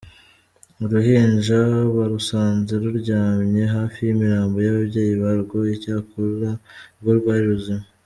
Uruhinja barusanze ruryamye hafi y’imirambo y’ababyeyi ba rwo, icyakora rwo rwari ruzima.